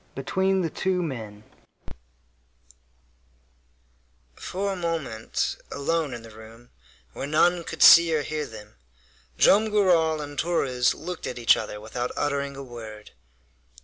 BETWEEN THE TWO MEN For a moment, alone in the room, where none could see or hear them, Joam Garral and Torres looked at each other without uttering a word.